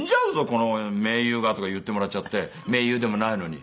この名優が」とか言ってもらっちゃって名優でもないのに。